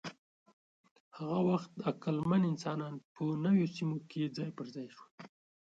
هغه وخت عقلمن انسانان په نویو سیمو کې ځای پر ځای شول.